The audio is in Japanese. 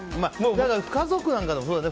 家族なんかでもそうだよね。